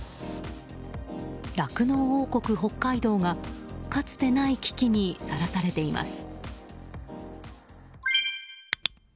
酪農王国・北海道がかつてない危機にさらされています。